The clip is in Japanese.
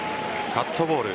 カットボール。